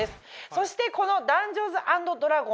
そしてこの『ダンジョンズ＆ドラゴンズ』